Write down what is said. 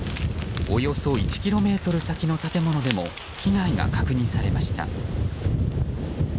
およそ１ｋｍ先の建物でも被害が確認されました。